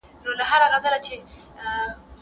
که انلاین تدریس وسي.